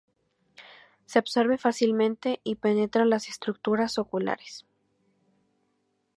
Se absorbe fácilmente y penetra las estructuras oculares.